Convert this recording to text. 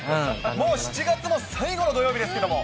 もう７月も最後の土曜日ですけども。